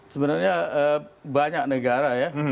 sebenarnya banyak negara ya